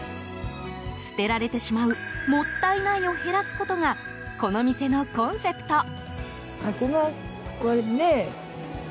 捨てられてしまうもったいないを減らすことがこの店のコンセプト。